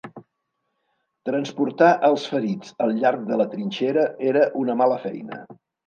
Transportar els ferits al llarg de la trinxera era una mala feina.